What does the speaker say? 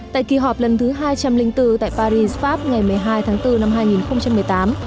tại kỳ họp lần thứ hai trăm linh bốn tại paris pháp ngày một mươi hai tháng bốn năm hai nghìn một mươi tám